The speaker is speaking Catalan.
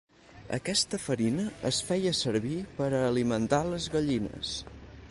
Aquesta farina es feia servir per a alimentar les gallines.